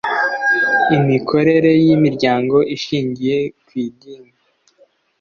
imikorere y imiryango ishingiye ku idini